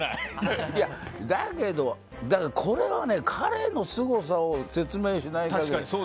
だけど、これはね彼のすごさを説明しない限り。